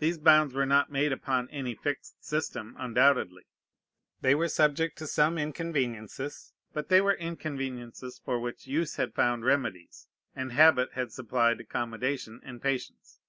These bounds were not made upon any fixed system, undoubtedly. They were subject to some inconveniences; but they were inconveniences for which use had found remedies, and habit had supplied accommodation and patience.